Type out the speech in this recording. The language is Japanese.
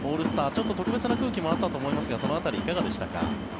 ちょっと特別な空気もあったと思いますがその辺りいかがでしたか？